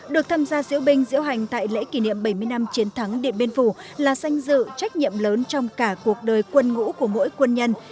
được tham gia diễu binh diễu hành tại lễ kỷ niệm bảy mươi năm chiến thắng điện biên phủ là danh dự trách nhiệm lớn trong cả cuộc đời quân ngũ của mỗi quân nhân